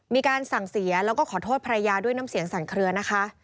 มีการสั่งเสียแล้วก็ขอโทษภรรยาด้วยน้ำเสียงสั่นเคลือนะคะ